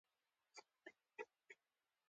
د تورې غرونو افسانه د زړه ورتیا الهام ورکوي.